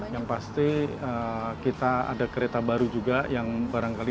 yang pasti kita ada kereta baru juga yang barangkali